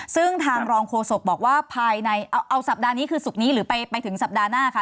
ซึ่งทางรองโฆษกบอกว่าภายในเอาสัปดาห์นี้คือศุกร์นี้หรือไปถึงสัปดาห์หน้าคะ